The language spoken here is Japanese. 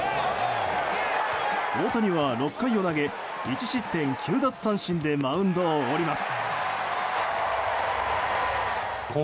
大谷は６回を投げ１失点９奪三振でマウンドを降ります。